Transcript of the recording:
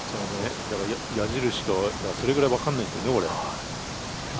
矢印それぐらいわからないんですね。